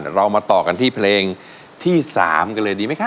เดี๋ยวเรามาต่อกันที่เพลงที่๓กันเลยดีมั้ยคะ